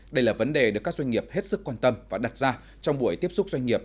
đây là vấn đề được các doanh nghiệp hết sức quan tâm và đặt ra trong buổi tiếp xúc doanh nghiệp